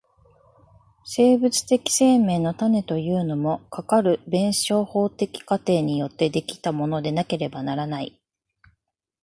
生物的生命の種というものも、かかる弁証法的過程によって出来たものでなければならない。